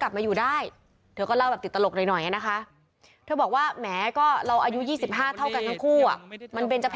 แกง่ายครับ